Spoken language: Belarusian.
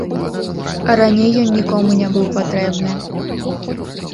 А раней ён нікому не быў патрэбны.